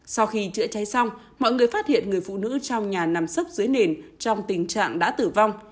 sau khi chữa cháy xong mọi người phát hiện người phụ nữ trong nhà nằm sâu dưới nền trong tình trạng đã tử vong